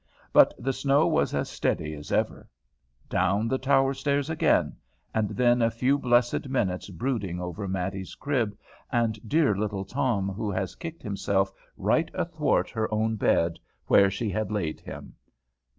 But the snow was as steady as ever. Down the tower stairs again, and then a few blessed minutes brooding over Matty's crib, and dear little Tom who has kicked himself right athwart her own bed where she had laid him.